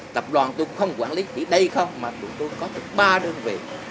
tập đoàn tôi không quản lý gì đây không mà tụi tôi có được ba đơn vị